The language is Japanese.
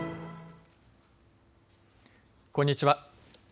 こんにちは。